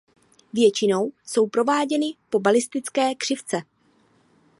Většinou jsou prováděny po balistické křivce.